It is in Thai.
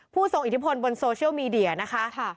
ทรงอิทธิพลบนโซเชียลมีเดียนะคะ